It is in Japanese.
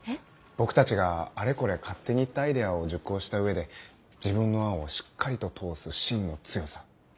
僕たちがあれこれ勝手に言ったアイデアを熟考した上で自分の案をしっかりと通す芯の強さ。